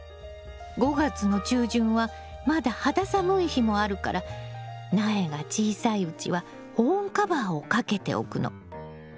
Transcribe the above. ５月の中旬はまだ肌寒い日もあるから苗が小さいうちは保温カバーをかけておくの。